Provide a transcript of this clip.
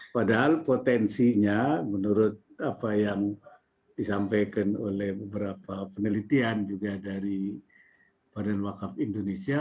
padahal potensinya menurut apa yang disampaikan oleh beberapa penelitian juga dari badan wakaf indonesia